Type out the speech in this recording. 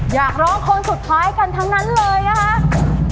อยากร้องคนสุดท้ายกันทั้งนั้นเลยนะคะ